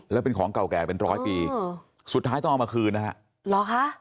แล้วเป็นของเก่าแก่เป็นร้อยปีสุดท้ายต้องเอามาคืนนะฮะหรอคะ